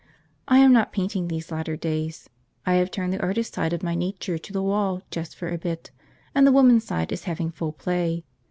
I am not painting, these latter days. I have turned the artist side of my nature to the wall just for a bit, and the woman side is having full play.